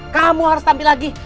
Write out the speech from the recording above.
kamu harus tampil lagi